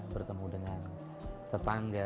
bertemu dengan tetangga